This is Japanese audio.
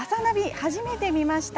初めて見ました。